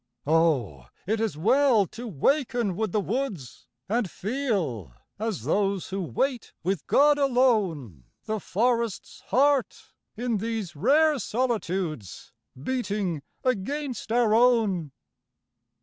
64 Oh, it is well to waken with the woods And feel, as those who wait with God alone, The forest's heart in these rare solitudes Beating against our own.